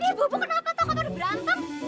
ini ibu ibu kenapa tau kau tadi berantem